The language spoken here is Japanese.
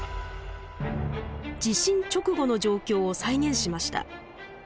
地震直後の状況を再現しました。